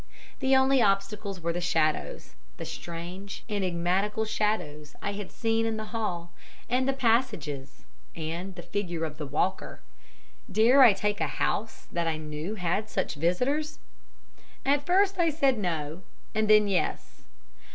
The only obstacles were the shadows the strange, enigmatical shadows I had seen in the hall and passages, and the figure of the walker. Dare I take a house that knew such visitors? At first I said no, and then yes.